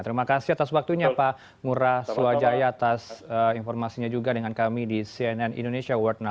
terima kasih atas waktunya pak ngurah swajaya atas informasinya juga dengan kami di cnn indonesia world now